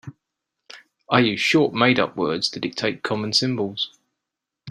I use short made-up words to dictate common symbols.